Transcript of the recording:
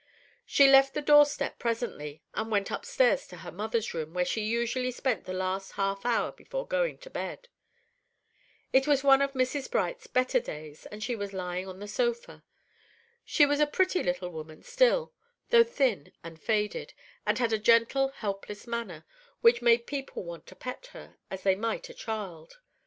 She left the door step presently, and went upstairs to her mother's room, where she usually spent the last half hour before going to bed. It was one of Mrs. Bright's better days, and she was lying on the sofa. She was a pretty little woman still, though thin and faded, and had a gentle, helpless manner, which made people want to pet her, as they might a child.